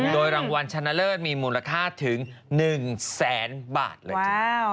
โดยรางวัลชนะเลิศมีมูลค่าถึง๑แสนบาทเลย